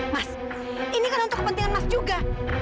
mas ini kan untuk kepentingan mas juga